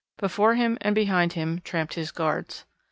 Before him and behind him tramped his guards.